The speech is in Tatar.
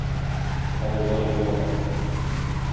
Авыллар булган.